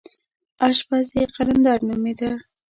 اشپز یې قلندر نومېده.